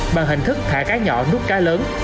bằng hình thức thả cá nhỏ nút cá lớn